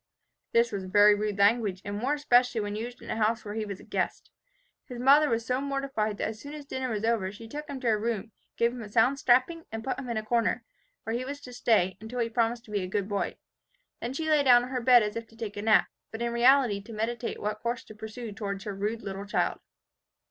"This was very rude language, and more especially when used in a house where he was a guest. His mother was so much mortified that as soon as dinner was over she took him to her room, gave him a sound strapping, and put him in a corner, where he was to stay, until he promised to be a good boy. Then she lay down on her bed as if to take a nap, but in reality to meditate what course to pursue towards her rude little child.